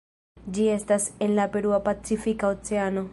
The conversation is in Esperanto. Ĝi estas en la Perua Pacifika Oceano.